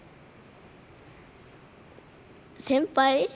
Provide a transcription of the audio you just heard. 先輩。